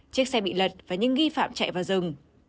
chiếc xe bị lật và những nghi phạm chạy vào rừng